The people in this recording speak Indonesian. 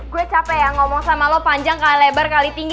gue capek ya ngomong sama lo panjang kali lebar kali tinggi